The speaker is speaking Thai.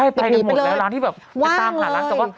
ได้ไปกันหมดแล้วร้านที่แบบไปสามหานั้น